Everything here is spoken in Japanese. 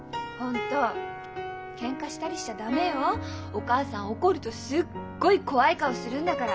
お母さん怒るとすっごい怖い顔するんだから。